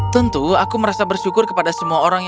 tentu aku merasa bersyukur kepada semua orang